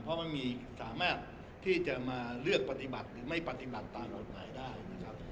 เพราะมันมีสามารถที่จะมาเลือกปฏิบัติหรือไม่ปฏิบัติตามกฎหมายได้นะครับ